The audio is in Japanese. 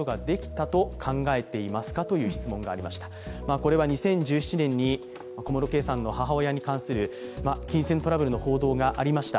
これは２０１７年に小室圭さんの母親に関する金銭トラブルの報道がありました。